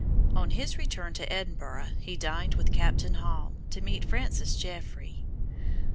On his return to Edinburgh he dined with Captain Hall, to meet Francis Jeffrey.